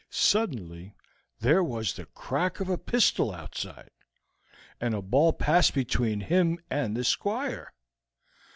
Suddenly there was the crack of a pistol outside, and a ball passed between him and the Squire.